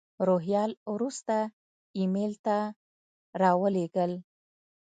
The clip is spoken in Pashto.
روهیال وروسته ایمیل ته را ولېږل.